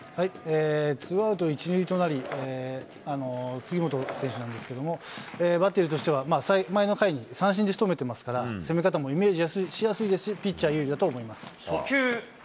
ツーアウト１、２塁となり、杉本選手なんですけれども、バッテリーとしては前の回に三振でしとめてますから、攻め方もイメージしやすいですし、初球。